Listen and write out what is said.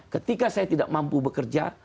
ketika saya tidak mampu bekerja